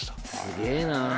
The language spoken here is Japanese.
すげぇな。